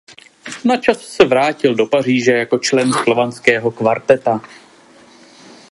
Na čas se vrátil do Paříže jako člen Slovanského kvarteta.